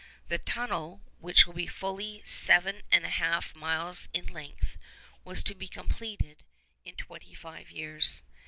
The tunnel—which will be fully seven and a half miles in length—was to be completed in twenty five years.